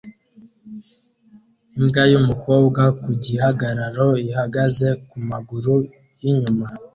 Imbwa yumukobwa ku gihagararo ihagaze ku maguru yinyuma